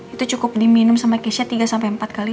itu cukup diminum sama keisha tiga empat kali